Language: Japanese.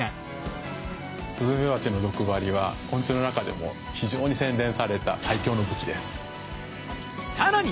スズメバチの毒針は昆虫の中でも非常に洗練された更に！